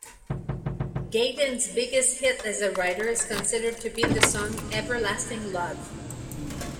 Gayden's biggest hit as a writer is considered to be the song "Everlasting Love".